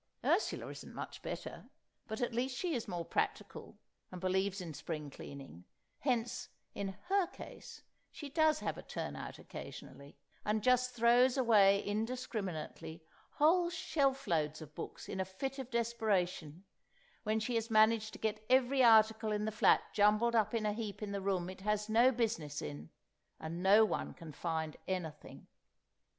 Ursula isn't much better; but at least she is more practical, and believes in spring cleaning; hence, in her case, she does have a turn out occasionally, and just throws away indiscriminately whole shelf loads of books in a fit of desperation, when she has managed to get every article in the flat jumbled up in a heap in the room it has no business in, and no one can find anything.